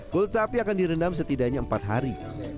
kult sapi akan direndam setidaknya empat hari